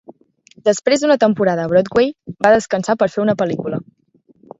Després d'una temporada a Broadway, va descansar per fer una pel·lícula.